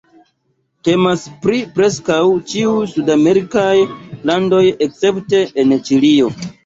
Temas pri preskaŭ ĉiu sudamerikaj landoj escepte en Ĉilio.